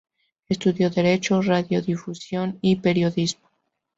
Estudió Derecho, Radiodifusión y Periodismo.